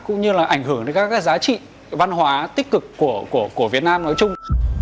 cũng như là ảnh hưởng đến các cái giá trị văn hóa tích cực của việt nam nói chung